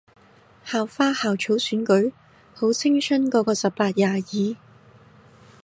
校花校草選舉？好青春個個十八廿二